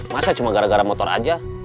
masa cuma gara gara motor aja